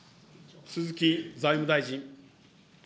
鈴木財務大臣。